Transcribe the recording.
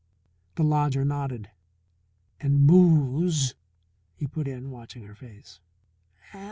The lodger nodded. "And booze," he put in, watching her face.